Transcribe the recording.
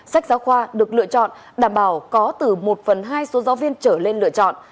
sách giáo khoa được lựa chọn đảm bảo có từ một phần hai số giáo viên trở lên lựa chọn